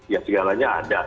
ya segalanya ada